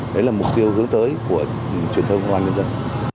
đấy là mục tiêu hướng tới của truyền thông công an nhân dân